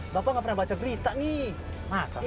bapak nggak pernah baca berita nih